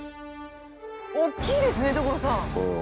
大きいですね所さん。